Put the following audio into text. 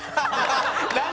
「何？